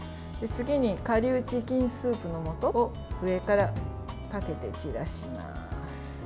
次にかりゅうチキンスープのもとを上からかけて散らします。